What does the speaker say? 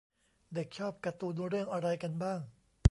เด็กชอบการ์ตูนเรื่องอะไรกันบ้าง